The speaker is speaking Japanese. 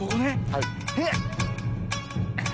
はい。